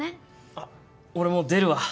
あっ俺もう出るわ。